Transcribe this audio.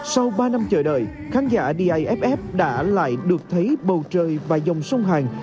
sau ba năm chờ đợi khán giả d a f f đã lại được thấy bầu trời và dòng sông hàng